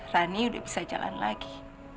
rande sudah bisa jalan lagi